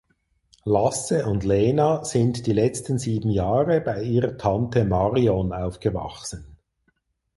Lasse und Lena sind die letzten sieben Jahre bei ihrer Tante Marion aufgewachsen.